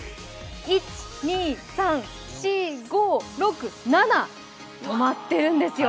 １２３４５６７、止まってるんですよ。